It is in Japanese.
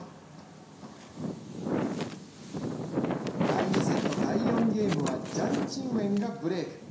第２セット、第４ゲームはジャン・チンウェンがブレーク。